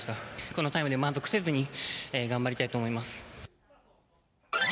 このタイムで満足せずに頑張りたいと思います。